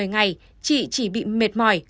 một mươi ngày chị chỉ bị mệt mỏi